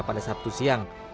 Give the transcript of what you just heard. pada sabtu siang